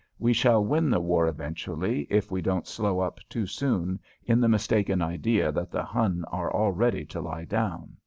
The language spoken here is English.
We shall win the war eventually, if we don't slow up too soon in the mistaken idea that the Huns are ready to lie down.